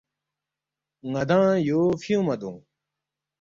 ن٘دانگ یو فیُونگما دونگ